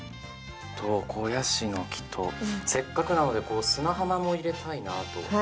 ヤシの木とせっかくなので砂浜も入れたいなと。